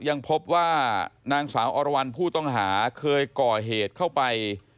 ยังพบว่านางสาวอรวรรณผู้ต้องหาเคยก่อเหตุเข้าไป